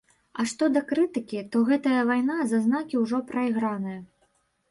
А што да крытыкі, то гэтая вайна за знакі ўжо прайграная.